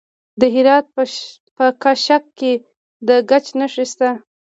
د هرات په کشک کې د ګچ نښې شته.